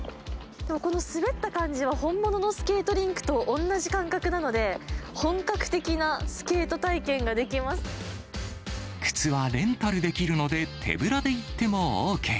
この滑った感じは本物のスケートリンクとおんなじ感覚なので、靴はレンタルできるので、手ぶらで行ってもＯＫ。